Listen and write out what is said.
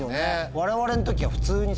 我々の時は普通に。